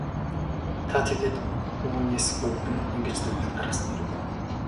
Та тэгээд үүнээс үүдэн ингэж дүгнэлт гаргасан хэрэг үү?